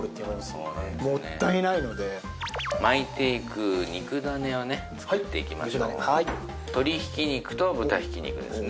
もんねもったいないので巻いていく肉種をね作っていきましょうはい肉種はい鶏ひき肉と豚ひき肉ですね